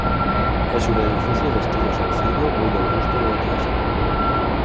Es un edificio de estilo sencillo, muy del gusto neoclásico.